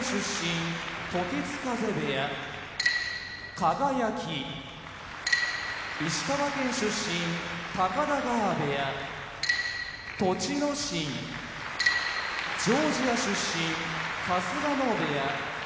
輝石川県出身高田川部屋栃ノ心ジョージア出身春日野部屋